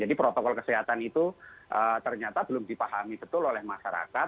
jadi protokol kesehatan itu ternyata belum dipahami betul oleh masyarakat